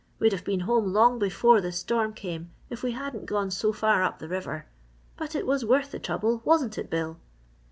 We'd have been home long before the storm came if we hadn't gone so far up the river. But it was worth the trouble, wasn't it, Bill?"